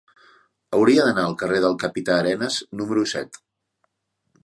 Hauria d'anar al carrer del Capità Arenas número set.